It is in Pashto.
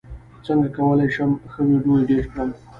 څنګه کولی شم ښه ویډیو ایډیټ کړم